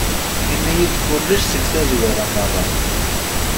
Ini-yi-d kullec seg tazwara meṛṛa.